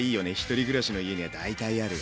１人暮らしの家には大体ある。